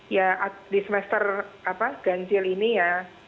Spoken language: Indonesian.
ya di semester ganjil ini ya